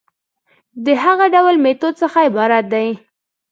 د هغه ډول ميتود څخه عبارت دي